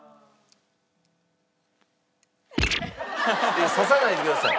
いや刺さないでください。